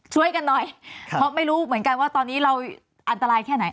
ช่วยกันหน่อยเพราะไม่รู้เหมือนกันว่าตอนนี้เราอันตรายแค่ไหน